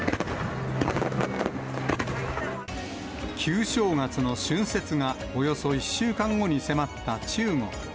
旧正月の春節が、およそ１週間後に迫った中国。